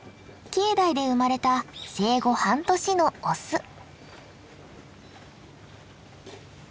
境内で生まれた生後半年のオス。